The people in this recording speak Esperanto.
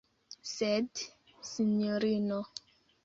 Sed, sinjorino.